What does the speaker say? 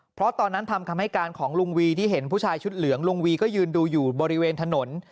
เพราะตอนนั้นทำคำให้การของลุงวีที่เห็นผู้ชายชุดเหลืองลุงวีก็ยืนดูอยู่บริเวณถนน